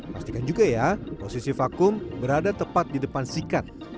pastikan juga ya posisi vakum berada tepat di depan sikat